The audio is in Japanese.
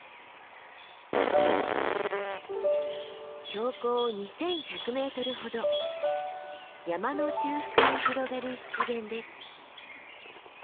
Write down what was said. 標高２，１００ｍほど山の中腹に広がる湿原です。